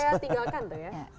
saya tinggalkan tuh ya